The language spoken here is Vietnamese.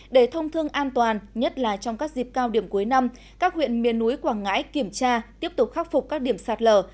để thông thương an toàn nhất là trong các dịp cao điểm cuối năm các huyện miền núi quảng ngãi kiểm tra tiếp tục khắc phục các điểm sạt lở